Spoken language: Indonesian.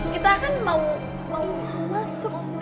kita kan mau masuk